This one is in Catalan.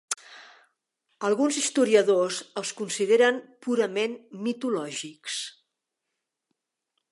Alguns historiadors els consideren purament mitològics.